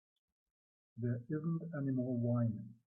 There isn't any more wine.